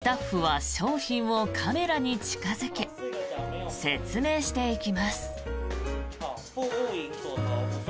スタッフは商品をカメラに近付け説明していきます。